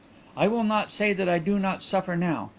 "I will not say that I do not suffer now.